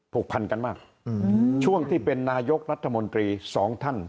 ผูกพันกันมากช่วงที่เป็นนายกรัฐมนตรีสองท่าน